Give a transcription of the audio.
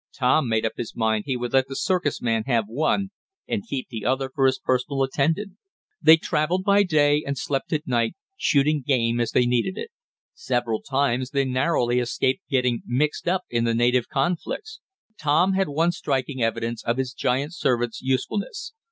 Tom made up his mind he would let the circus man have one and keep the other for his personal attendant. They traveled by day, and slept at night, shooting game as they needed it. Several times they narrowly escaped getting mixed up in the native conflicts. Tom had one striking evidence of his giant servant's usefulness.